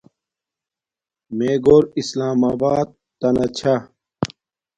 میے گور اسلام آبات تنا چھا